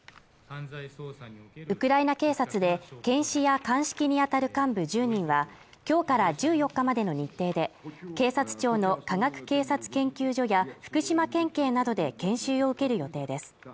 ウクライナ警察で検死や鑑識に当たる幹部１０人は今日から１４日までの日程で、警察庁の科学警察研究所や福島県警などで研修を受ける予定です。